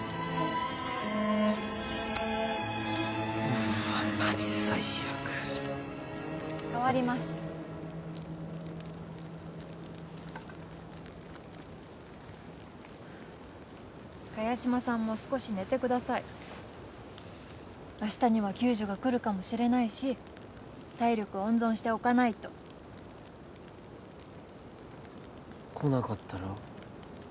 うーわマジ最悪かわります萱島さんも少し寝てください明日には救助が来るかもしれないし体力温存しておかないと来なかったら？